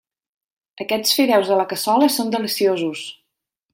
Aquests fideus a la cassola són deliciosos.